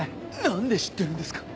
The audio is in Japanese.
何で知ってるんですか？